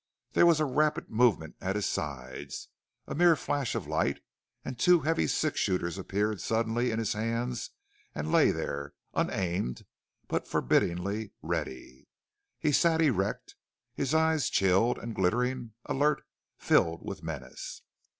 There was a rapid movement at his sides, a mere flash of light, and two heavy six shooters appeared suddenly in his hands and lay there, unaimed, but forbiddingly ready. He sat erect, his eyes chilled and glittering, alert, filled with menace.